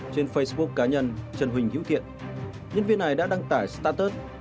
trên facebook cá nhân trần huỳnh hiếu thiện nhân viên này đã đăng tải status